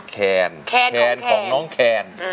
แคนแคนของแคนแคนของน้องแคน